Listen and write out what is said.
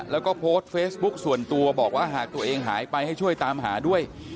แล้วก็โพสต์เฟซบุ๊คส่วนตัวบอกว่าหากตัวเองหายไปให้ช่วยตามหาด้วย